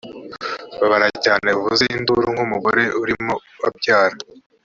babara cyane uvuze induru nk umugore urimo abyara